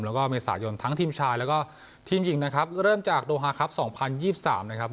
แล้วก็เมษายนทั้งทีมชายแล้วก็ทีมหญิงนะครับเริ่มจากโดฮาครับ๒๐๒๓นะครับ